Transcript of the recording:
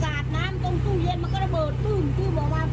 สาดน้ำตรงตู้เย็นมันก็ระเบิดปึ้ง